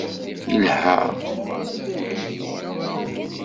Yelha.